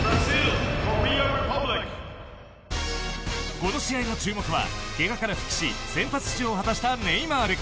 この試合の注目はけがから復帰し先発出場を果たしたネイマール。